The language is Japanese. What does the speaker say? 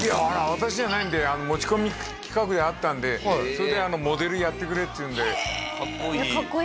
私じゃないんで持ち込み企画であったんでそれでモデルやってくれっていうんでＺＯＺＯＴＯＷＮと？